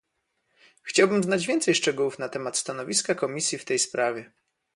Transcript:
Chciałbym znać więcej szczegółów na temat stanowiska Komisji w tej sprawie